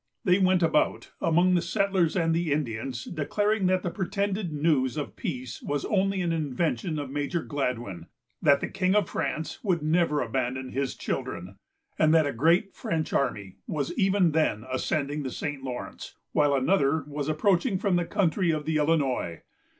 They went about among the settlers and the Indians, declaring that the pretended news of peace was only an invention of Major Gladwyn; that the king of France would never abandon his children; and that a great French army was even then ascending the St. Lawrence, while another was approaching from the country of the Illinois.